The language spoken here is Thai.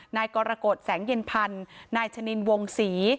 นายกรกฎแสงเย็นพันธ์นายชนินวงศรี